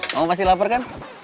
kamu pasti lapar kan